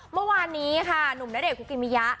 เมื่อวานนี้ค่ะหนุ่มณเดชคุกิมิยะ